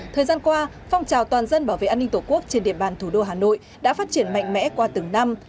thời gian qua phong trào toàn dân bảo vệ an ninh tổ quốc trên địa bàn thủ đô hà nội đã phát triển mạnh mẽ qua từng năm